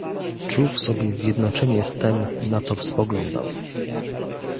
"Czuł w sobie zjednoczenie z tem, na co spoglądał."